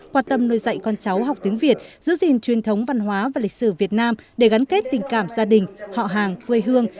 quan tâm nuôi dạy con cháu học tiếng việt giữ gìn truyền thống văn hóa và lịch sử việt nam để gắn kết tình cảm gia đình họ hàng quê hương